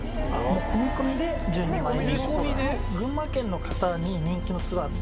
込み込みで１２万円。